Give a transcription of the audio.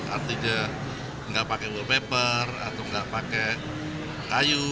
artinya tidak pakai wallpaper atau tidak pakai kayu